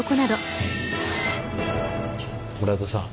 村田さん。